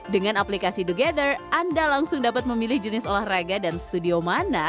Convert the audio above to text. dengan aplikasi dogether anda langsung dapat memilih jenis olahraga dan studio mana